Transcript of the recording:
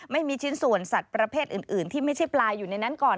ไม่มีชิ้นส่วนสัตว์ประเภทอื่นที่ไม่ใช่ปลาอยู่ในนั้นก่อน